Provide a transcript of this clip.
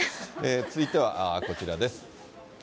続いてはこちらです。